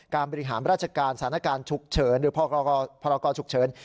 บริหารราชการสถานการณ์ฉุกเฉินหรือพรกรฉุกเฉิน